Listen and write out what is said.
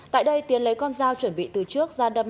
tại đây tiến lấy con dao chuẩn bị từ trước ra đâm